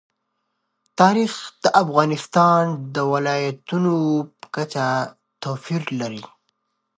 تاریخ د افغانستان د ولایاتو په کچه توپیر لري.